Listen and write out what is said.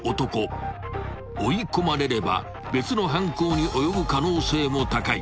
［追い込まれれば別の犯行に及ぶ可能性も高い］